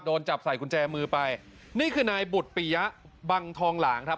โดนจับใส่กุญแจมือไปนี่คือนายบุตปิยะบังทองหลางครับ